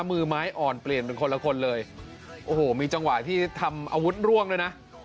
มือไม้อ่อนเปลี่ยนเป็นคนละคนเลยโอ้โหมีจังหวะที่ทำอาวุธร่วงด้วยนะ